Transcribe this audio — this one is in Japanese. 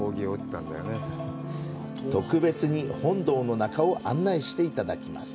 特別に本堂の中を案内していただきます。